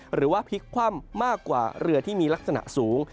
หรือว่าพลิกคว่ำมากกว่าเรือที่มีลักษณะสูง